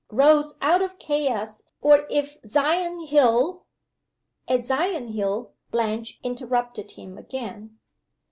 Rose out of Chaos or if Sion hill " At "Sion hill," Blanche interrupted him again.